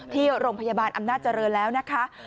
ที่โรงพยาบาลอำนาจเจริญแล้วนะคะ